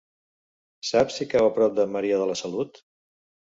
Saps si cau a prop de Maria de la Salut?